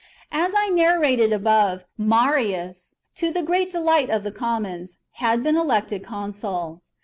As I narrated above, Marius, to the great delight of chap. the commons, had been elected consul.